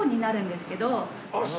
あっ！